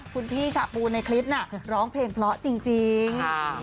คุณพี่ฉะปูในคลิปน่ะร้องเพลงเพราะจริง